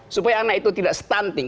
supaya anak itu tidak stunting